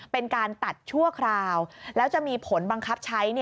เป็นการตัดชั่วคราวแล้วจะมีผลบังคับใช้